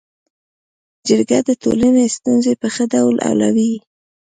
جرګه د ټولني ستونزي په ښه ډول حلوي.